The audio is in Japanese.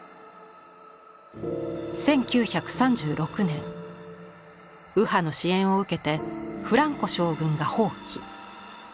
１９３６年右派の支援を受けてフランコ将軍が蜂起。